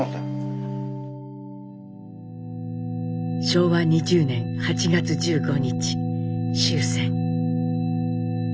昭和２０年８月１５日終戦。